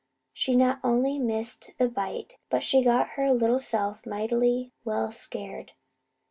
She not only missed the bite, but she got her little self mightily well scared.